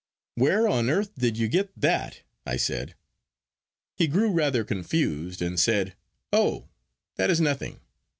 "Where on earth did you get that?" I said. He grew rather confused, and said—"Oh, that is nothing.